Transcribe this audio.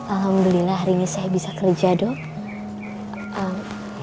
alhamdulillah hari ini saya bisa kerja dok